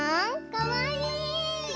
かわいい！